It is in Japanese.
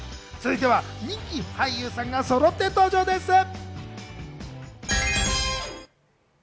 続いては、人気俳優さんがそろって登場です。